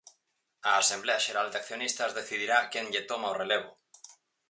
A Asemblea Xeral de accionistas decidirá quen lle toma o relevo.